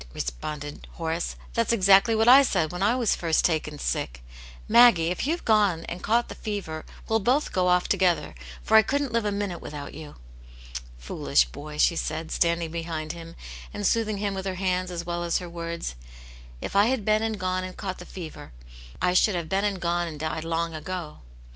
" responded Horace. " That's exactly what I said when I was first taken sick. Maggie, if you've gone and caught the fever, we'll both go off together, for I couldn't live a minute without you." "Foolish boy!" she said, standing behind him and soothing him with her hands as well as her words ; "if I had been and gone and caught the fever, I should have been and gone and died long ago."